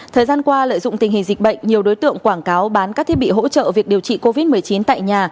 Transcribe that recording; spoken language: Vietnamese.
thời gian qua lợi dụng tình hình dịch bệnh nhiều đối tượng quảng cáo bán các thiết bị hỗ trợ việc điều trị covid một mươi chín tại nhà